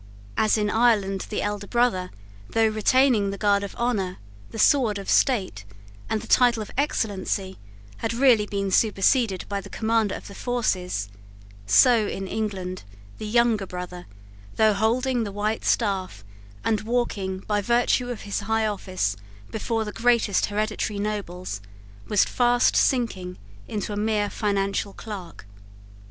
As in Ireland the elder brother, though retaining the guard of honour, the sword of state, and the title of Excellency, had really been superseded by the Commander of the Forces, so in England, the younger brother, though holding the white staff, and walking, by virtue of his high office, before the greatest hereditary nobles, was fast sinking into a mere financial clerk.